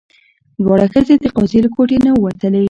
دواړه ښځې د قاضي له کوټې نه ووتلې.